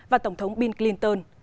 và tổng thống bill clinton